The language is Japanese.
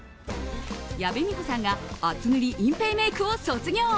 矢部美穂さんが厚塗り隠ぺいメイクを卒業。